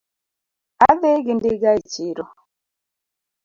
Adhi gi ndiga e chiro